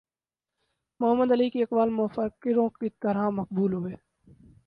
محمد Ali کے اقوال مفکروں کی طرح مقبول ہوئے